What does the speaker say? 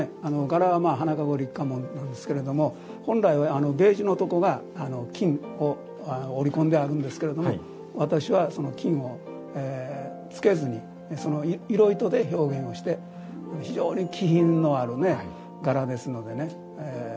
柄は花籠立華文なんですけれども本来はベージュのとこが金を織り込んであるんですけれども私はその金をつけずに色糸で表現をして非常に気品のある柄ですのでね